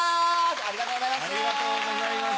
ありがとうございます。